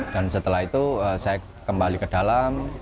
dan setelah itu saya kembali ke dalam